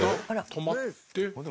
止まって。